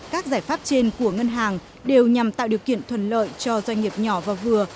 các giải pháp trên của ngân hàng đều nhằm tạo điều kiện thuận lợi cho doanh nghiệp nhỏ và vừa